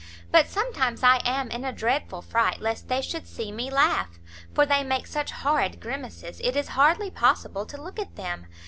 But sometimes I am in a dreadful fright lest they should see me laugh, for they make such horrid grimaces it is hardly possible to look at them.